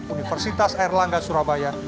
universitas erlangga surabaya